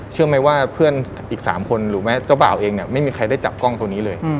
เชื่อไหมว่าเพื่อนอีก๓คนหรือแม้เจ้าบ่าวเองเนี่ยไม่มีใครได้จับกล้องตัวนี้เลย